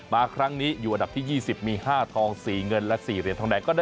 มาครั้งนี้อยู่อันดับที่๒๐มี๕เหรียญทอง๔เหรียญเงินและ๔เหรียญทองแดง